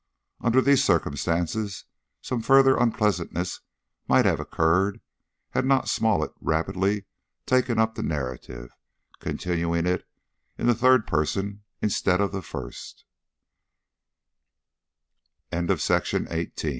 Under these circumstances some further unpleasantness might have occurred had not Smollett rapidly taken up the narrative, continuing it in the third person instead of the first: "Our hero, being considerably alarmed